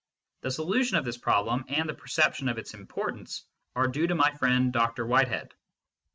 The solution of this problem and the perception of its importance are due to my friend Dr. Whitehead.